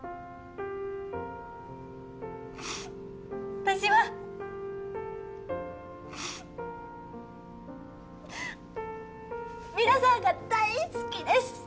私は皆さんが大好きです